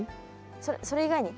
それ以外に？